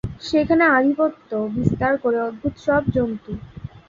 সেখানে আধিপত্য বিস্তার করে অদ্ভুত সব জন্তু।